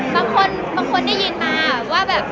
บางคนได้ยินมาว่าแบบ